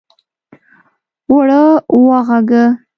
اوړه واغږه!